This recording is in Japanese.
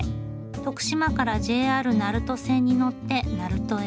徳島からＪＲ鳴門線に乗って鳴門へ。